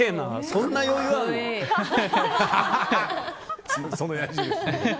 そんな余裕あるの？